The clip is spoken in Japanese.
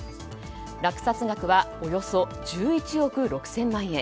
落札額はおよそ１１億６０００万円。